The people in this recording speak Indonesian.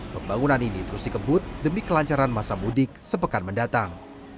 pembangunan ini terus dikebut demi kelancaran masa mudik sepekan mendatang